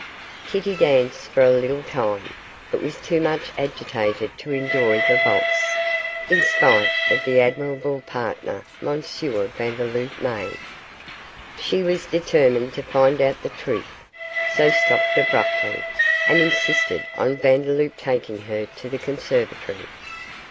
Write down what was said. Kitty danced for a little time, but was too much agitated to enjoy the valse, in spite of the admirable partner M. Vandeloup made. She was determined to find out the truth, so stopped abruptly, and insisted on Vandeloup taking her to the conservatory.